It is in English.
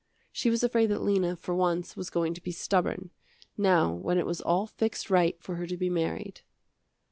She was afraid that Lena, for once, was going to be stubborn, now when it was all fixed right for her to be married.